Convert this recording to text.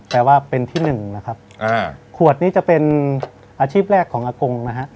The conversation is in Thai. แปลว่าเป็นที่หนึ่งนะครับขวดนี้จะเป็นอาชีพแรกของอากงนะฮะ